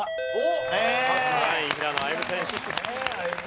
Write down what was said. はい平野歩夢選手。